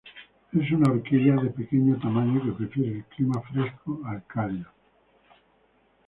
Es una orquídea de pequeño tamaño que prefiere el clima fresco al cálido.